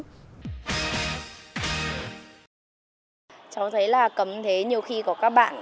cháu thấy là cảm thấy nhiều khi có các bạn